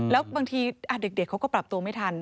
แล้วบางทีเด็กเขาก็ปรับตัวไม่ทัน